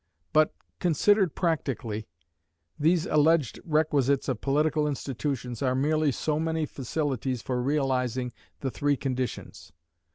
But, considered practically, these alleged requisites of political institutions are merely so many facilities for realising the three conditions.